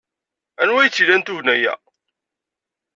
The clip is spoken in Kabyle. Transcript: Anwa ay tt-ilan tugna-a?